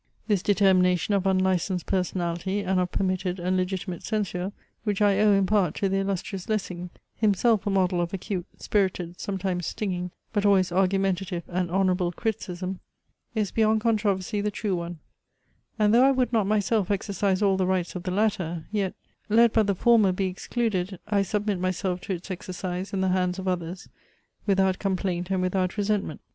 This determination of unlicensed personality, and of permitted and legitimate censure, (which I owe in part to the illustrious Lessing, himself a model of acute, spirited, sometimes stinging, but always argumentative and honourable, criticism) is beyond controversy the true one: and though I would not myself exercise all the rights of the latter, yet, let but the former be excluded, I submit myself to its exercise in the hands of others, without complaint and without resentment.